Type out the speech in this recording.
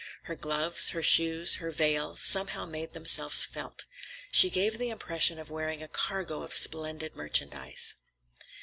Her gloves, her shoes, her veil, somehow made themselves felt. She gave the impression of wearing a cargo of splendid merchandise.